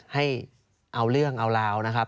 ให้เอาเรื่องเอาราวนะครับ